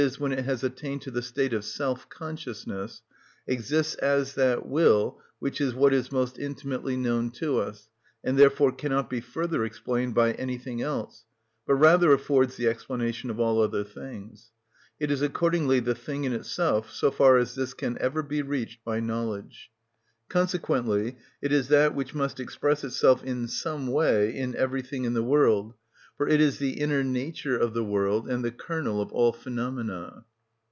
_, when it has attained to the state of self‐ consciousness—exists as that will, which is what is most intimately known to us, and therefore cannot be further explained by anything else, but rather affords the explanation of all other things. It is accordingly the thing in itself so far as this can ever be reached by knowledge. Consequently it is that which must express itself in some way in everything in the world, for it is the inner nature of the world and the kernel of all phenomena.